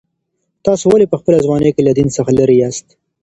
تاسي ولي په خپله ځواني کي له دین څخه لیري یاست؟